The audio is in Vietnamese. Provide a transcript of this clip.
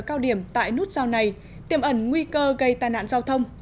cao điểm tại nút giao này tiêm ẩn nguy cơ gây tai nạn giao thông